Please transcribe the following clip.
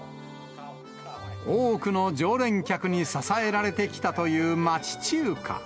多くの常連客に支えられてきたという町中華。